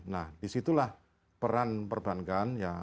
nah disitulah peran perbankan ya